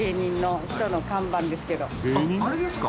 あっあれですか？